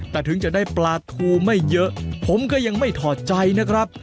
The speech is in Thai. แต่ถึงจะได้ปลาทูไม่เยอะผมก็ยังไม่ถอดใจนะครับ